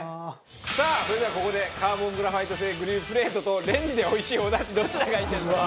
さあそれではここでカーボングラファイト製グリルプレートとレンジで美味しいおだしどちらがいいですか？